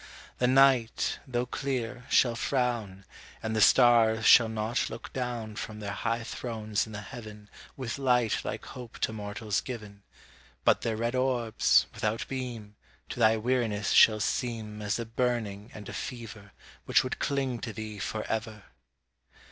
The night, though clear, shall frown, And the stars shall not look down From their high thrones in the Heaven With light like hope to mortals given, But their red orbs, without beam, To thy weariness shall seem As a burning and a fever Which would cling to thee for ever.